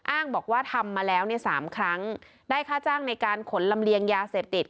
อ้างบอกว่าทำมาแล้วเนี่ยสามครั้งได้ค่าจ้างในการขนลำเลียงยาเสพติด